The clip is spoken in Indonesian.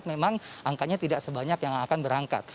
memang angkanya tidak sebanyak yang akan berangkat